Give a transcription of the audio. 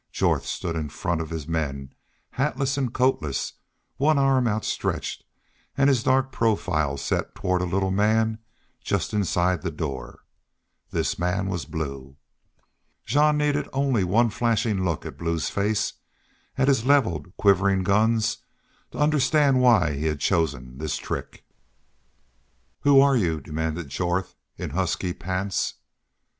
Jorth stood rather in front of his men, hatless and coatless, one arm outstretched, and his dark profile set toward a little man just inside the door. This man was Blue. Jean needed only one flashing look at Blue's face, at his leveled, quivering guns, to understand why he had chosen this trick. "Who're you?" demanded Jorth, in husky pants.